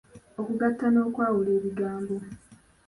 Okugatta n’okwawula ebigambo.